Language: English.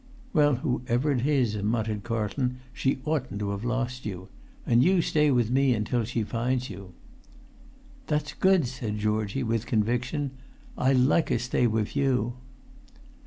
"Well, whoever it is," muttered Carlton, "she oughtn't to have lost you; and you stay with me until she finds you." [Pg 264]"That's good," said Georgie, with conviction. "I liker stay wif you."